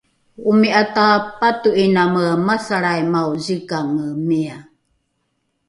omi’a tapato’iname “masalraimao zikange” mia